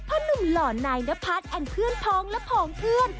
หนุ่มหล่อนายนพัฒน์อันเพื่อนพ้องและผองเพื่อน